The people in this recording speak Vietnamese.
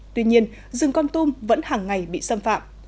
tuy nhiên rừng con tum vẫn hàng ngày bị xâm phạm